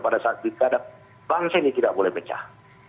pada saat pilkada bangsa ini tidak boleh pecah